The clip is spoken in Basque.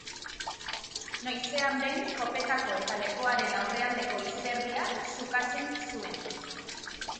Noizean behin, kopetako eta lepoaren aurrealdeko izerdia xukatzen zuen.